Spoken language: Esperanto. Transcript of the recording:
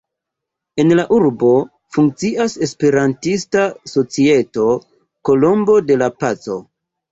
En la urbo funkcias Esperantista societo "Kolombo de la paco".